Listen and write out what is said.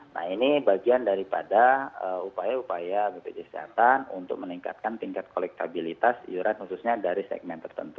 nah ini bagian daripada upaya upaya bpjs kesehatan untuk meningkatkan tingkat kolektabilitas iuran khususnya dari segmen tertentu